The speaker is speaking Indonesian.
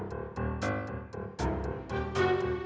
harus dihiasya dengan baik